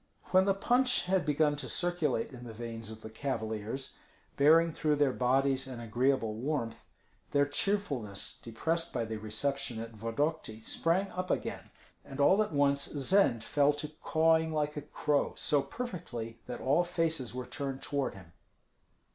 When the punch had begun to circulate in the veins of the cavaliers, bearing through their bodies an agreeable warmth, their cheerfulness, depressed by the reception at Vodokty, sprang up again; and all at once Zend fell to cawing like a crow, so perfectly that all faces were turned toward him.